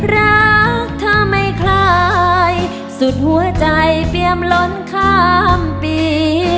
รักเธอไม่คล้ายสุดหัวใจเปรียมล้นข้ามปี